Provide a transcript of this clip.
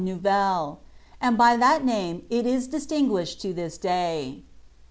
\buvellc* And by that name it is distinguished lo this day.'